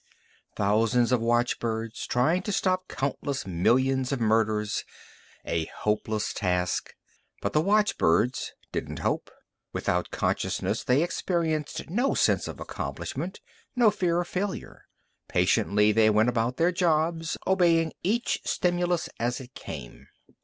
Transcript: Thousands of watchbirds, trying to stop countless millions of murders a hopeless task. But the watchbirds didn't hope. Without consciousness, they experienced no sense of accomplishment, no fear of failure. Patiently they went about their jobs, obeying each stimulus as it came.